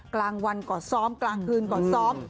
กลางวันก็ซ้อมกลางคืนก็ซ้อม